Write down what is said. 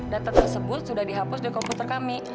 data tersebut sudah dihapus di komputer kami